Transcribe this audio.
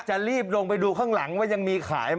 จะรีบลงไปดูข้างหลังว่ายังมีขายไหม